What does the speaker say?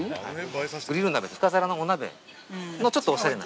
◆グリルの、深皿のお鍋、ちょっとおしゃれな。